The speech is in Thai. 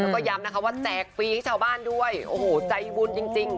แล้วก็ย้ำนะคะว่าแจกฟรีให้ชาวบ้านด้วยโอ้โหใจบุญจริง